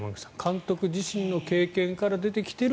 監督自身の経験から出てきている